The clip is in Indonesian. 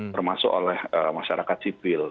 termasuk oleh masyarakat sivil